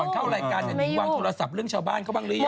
ก่อนเข้ารายการนิ่งวางโทรศัพท์เรื่องชาวบ้านเขาบ้างเลย